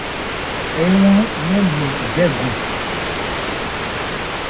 Ń wu mɛ́n nman jɛ́gɔn.